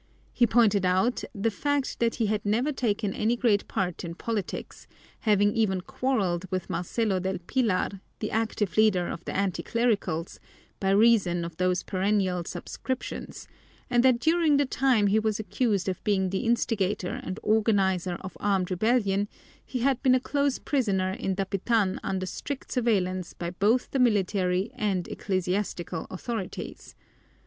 He pointed out the fact that he had never taken any great part in politics, having even quarreled with Marcelo del Pilar, the active leader of the anti clericals, by reason of those perennial "subscriptions," and that during the time he was accused of being the instigator and organizer of armed rebellion he had been a close prisoner in Dapitan under strict surveillance by both the military and ecclesiastical authorities.